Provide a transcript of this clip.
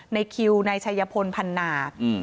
ในคิวในชายพลพันนา